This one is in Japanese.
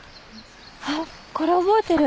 あっこれ覚えてる。